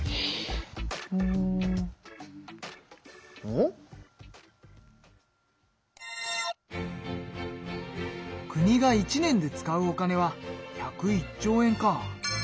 おっ？国が一年で使うお金は１０１兆円か。